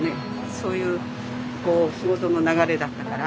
そういう仕事の流れだったから。